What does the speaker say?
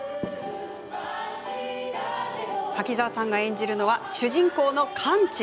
柿澤さんが演じるのは主人公の完治。